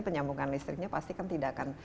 penyambungan listriknya pasti kan tidak akan